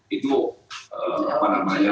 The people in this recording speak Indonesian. itu aneh aneh saja